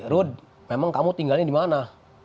rud memang kamu tinggalin dimana